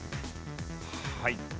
はい。